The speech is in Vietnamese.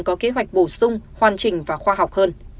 có kế hoạch bổ sung hoàn chỉnh và khoa học hơn